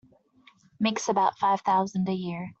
Makes about five thousand a year.